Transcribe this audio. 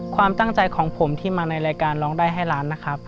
ความตั้งใจของผมที่มาในรายการร้องได้ให้ล้านนะครับ